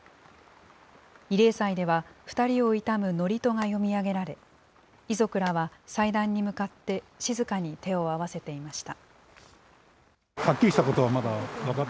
慰霊祭では、２人を悼むのりとが読み上げられ、遺族らは祭壇に向かって静かに手を合わせていました。